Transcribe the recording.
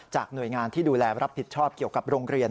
หน่วยงานที่ดูแลรับผิดชอบเกี่ยวกับโรงเรียน